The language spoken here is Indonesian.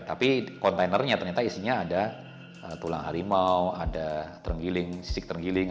tapi kontainernya ternyata isinya ada tulang harimau ada sisik ternggiling